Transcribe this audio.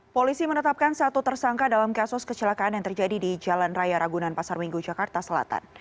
polisi menetapkan satu tersangka dalam kasus kecelakaan yang terjadi di jalan raya ragunan pasar minggu jakarta selatan